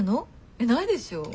えっないでしょ？